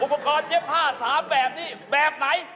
อุปกรณ์เย็บผ้า๓แบบนี้แบบไหน